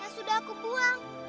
yang sudah aku buang